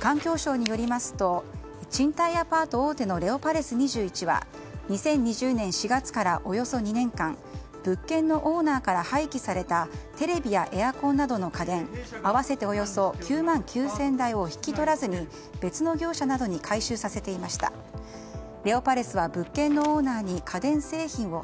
環境省によりますと賃貸アパート大手のレオパレス２１は２０２０年からおよそ２年間物件のオーナーから廃棄されたテレビやエアコンなどの家電合わせておよそ９万９０００台を引き取らずにこのゲートは心の底から「オールフリー」を飲みたいと思ってる人しか通過できません